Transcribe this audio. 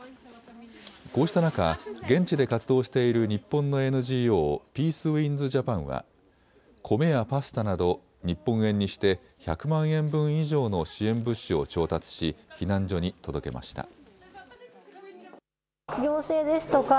こうした中、現地で活動している日本のＮＧＯピースウィンズ・ジャパンは米やパスタなど日本円にして１００万円分以上の支援物資を調達し、避難所に届けました。